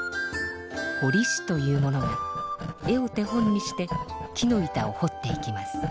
ほりしという者が絵を手本にして木の板をほっていきます。